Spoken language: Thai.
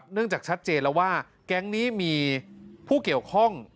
จากชัดเจนแล้วว่าแก๊งนี้มีผู้เกี่ยวข้อง